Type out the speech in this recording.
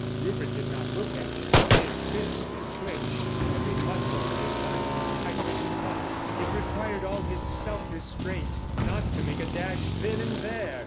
Rupert did not look at him. His fists were clenched, every muscle in his body was tight and taut. It required all his self restraint not to make a dash then and there.